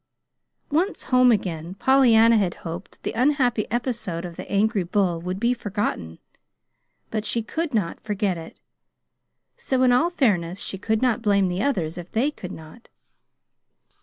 Once home again, Pollyanna had hoped that the unhappy episode of the angry bull would be forgotten. But she could not forget it, so in all fairness she could not blame the others if they could not.